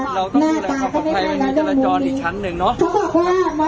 เราต้องดูอะไรของภัยในจรรย์จรอดอีกชั้นหนึ่งเนาะ